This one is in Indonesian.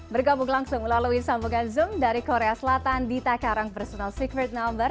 bergabung langsung melalui sambungan zoom dari korea selatan dita karang personal secret number